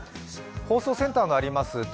放送センターのあります